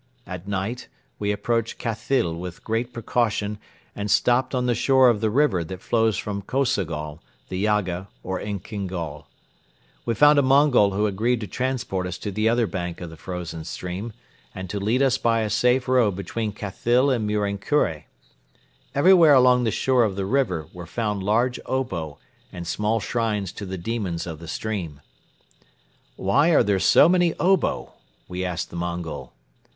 At night we approached Khathyl with great precaution and stopped on the shore of the river that flows from Kosogol, the Yaga or Egingol. We found a Mongol who agreed to transport us to the other bank of the frozen stream and to lead us by a safe road between Khathyl and Muren Kure. Everywhere along the shore of the river were found large obo and small shrines to the demons of the stream. "Why are there so many obo?" we asked the Mongol.